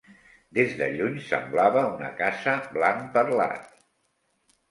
Des de lluny semblava una casa "blanc perlat".